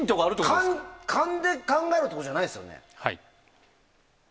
勘で考えろとかってことじゃないですよね？